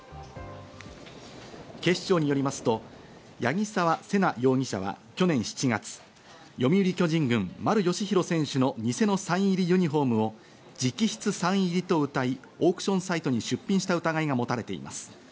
警視庁によりますと八木沢瀬名容疑者は去年７月、読売巨人軍・丸佳浩選手の偽のサイン入りユニホームを直筆サイン入りとうたい、オークションサイトに出品した疑いが持たれています。